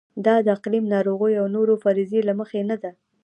دا د اقلیم، ناروغیو او نورو فرضیې له مخې نه ده.